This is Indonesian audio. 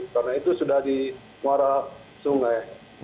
karena itu sudah di warah sungai